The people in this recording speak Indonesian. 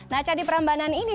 nah candi perambanan ini